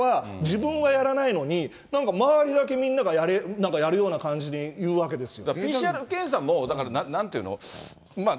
検査やれやれは、自分はやらないのに、なんか周りだけみんながやるような感じで言うわけですよ。